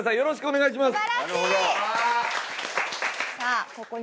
よろしくお願いします。